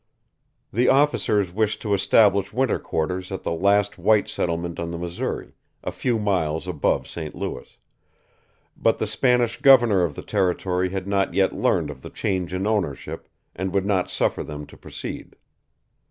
The officers wished to establish winter quarters at the last white settlement on the Missouri, a few miles above St. Louis; but the Spanish governor of the territory had not yet learned of the change in ownership, and would not suffer them to proceed.